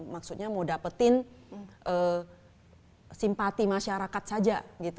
maksudnya mau dapetin simpati masyarakat saja gitu